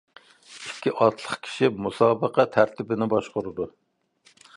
ئىككى ئاتلىق كىشى مۇسابىقە تەرتىپىنى باشقۇرىدۇ.